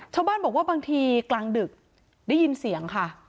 ชาวบ้านบอกว่าบางทีกลางดึกได้ยินเสียงค่ะ